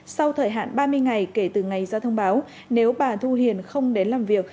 sau thời hạn ba mươi ngày kể từ ngày ra thông báo nếu bà thu hiền không đến làm việc